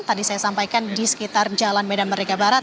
tadi saya sampaikan di sekitar jalan medan merdeka barat